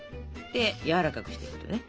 やわらかくしていくのね。